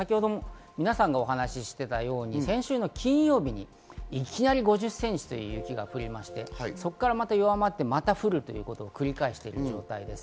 それが皆さんがお話していたように先週の金曜日いきなり５０ｃｍという雪が降りまして、そこからまた弱まってまた降るということを繰り返している状態です。